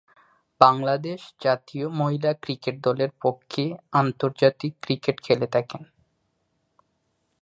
বাংলাদেশ জাতীয় মহিলা ক্রিকেট দলের পক্ষে আন্তর্জাতিক ক্রিকেট খেলে থাকেন।